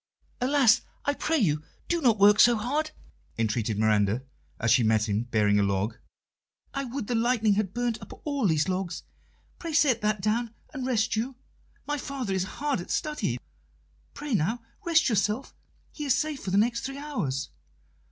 "Alas! I pray you, do not work so hard," entreated Miranda, as she met him bearing a log. "I would the lightning had burnt up all these logs! Pray set that down and rest you. My father is hard at study: pray, now, rest yourself; he is safe for the next three hours."